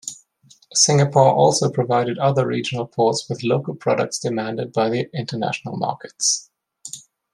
Singapore also provided other regional ports with local products demanded by international markets.